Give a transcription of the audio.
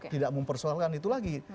tidak mempersoalkan itu lagi